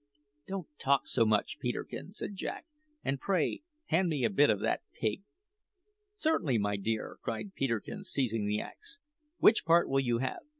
"Don't talk so much, Peterkin," said Jack; "and, pray, hand me a bit of that pig." "Certainly, my dear," cried Peterkin, seizing the axe. "What part will you have?